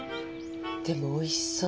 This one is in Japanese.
でもおいしそう。